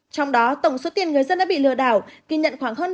trong đó tổng số tiền người dân đã bị lừa đảo